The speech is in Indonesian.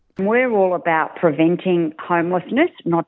kita semua mengatakan untuk memperbaiki kelelahan rumah